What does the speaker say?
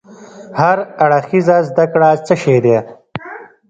هر اړخيزه زده کړه څه شی ده؟